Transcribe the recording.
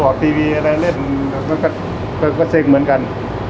สวัสดีครับผมชื่อสามารถชานุบาลชื่อเล่นว่าขิงถ่ายหนังสุ่นแห่ง